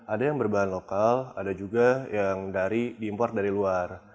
ada yang berbahan lokal ada juga yang dari diimpor dari luar